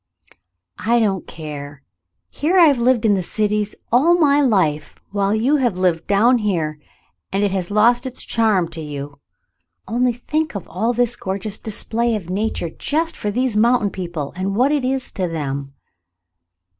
"I don't care. Here I've lived in cities all my life, while you have lived down here, and it has lost its charm to you. Only think of all this gorgeous display of nature just for these mountain people, and what is it to them